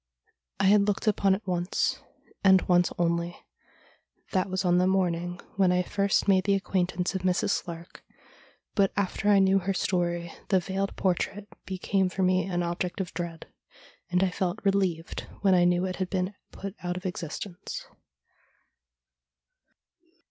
I had looked upon it once, and once only. That was on the morning when I first made the ac quaintance of Mrs. Slark, but after I knew her story the veiled portrait became for me an object of dread, and I felt relieved when I knew it had been put out of existence.